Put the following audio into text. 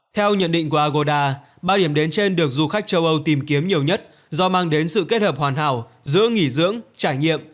theo nhận định của agoda ba điểm đến trên được du khách châu âu tìm kiếm nhiều nhất do mang đến sự kết hợp hoàn hảo giữa nghỉ dưỡng trải nghiệm